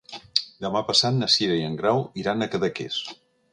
Demà passat na Cira i en Grau iran a Cadaqués.